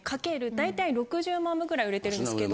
大体６０万部くらい売れてるんですけど。